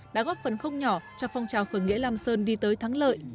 đã góp phần không nhỏ cho phong trào khởi nghĩa lam sơn đi tới thắng lợi